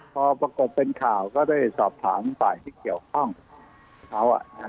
พอปรากฏเป็นข่าวก็ได้สอบถามฝ่ายที่เกี่ยวข้องเขา